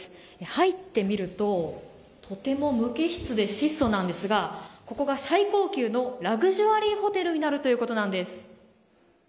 入ってみるととても無機質で質素なんですがここが最高級のラグジュアリーホテルになるということです。